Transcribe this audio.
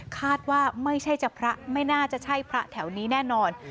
คาดว่าไม่ใช่จะพระไม่น่าจะใช่พระแถวนี้แน่นอน